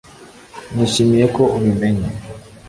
nishimiye ko ubimenye.